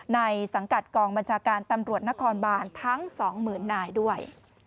สังกัดกองบัญชาการตำรวจนครบานทั้ง๒๐๐๐นายด้วย